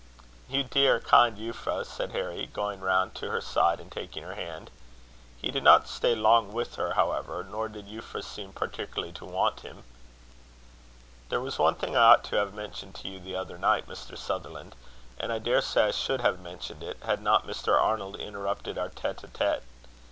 "You dear kind Euphra!" said Harry, going round to her side and taking her hand. He did not stay long with her, however, nor did Euphra seem particularly to want him. "There was one thing I ought to have mentioned to you the other night, Mr. Sutherland; and I daresay I should have mentioned it, had not Mr. Arnold interrupted our tete a tete.